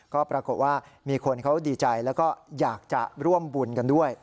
ก็ปรากฏว่ามีคนเขาดีใจแล้วก็อยากจะร่วมบุญกันด้วย